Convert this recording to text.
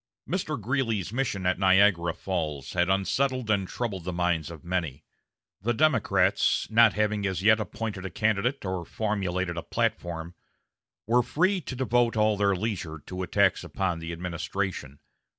Mr. Greeley's mission at Niagara Falls had unsettled and troubled the minds of many. The Democrats, not having as yet appointed a candidate or formulated a platform, were free to devote all their leisure to attacks upon the administration.